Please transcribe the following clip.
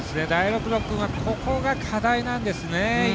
大六野君はここが課題なんですね。